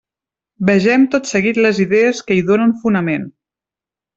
Vegem tot seguit les idees que hi donen fonament.